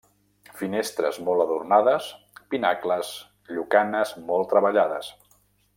Finestres molt adornades, pinacles, llucanes molt treballades.